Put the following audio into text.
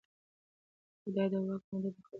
ده د واک موده د خدمت فرصت ګاڼه.